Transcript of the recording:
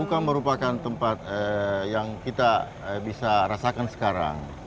bukan merupakan tempat yang kita bisa rasakan sekarang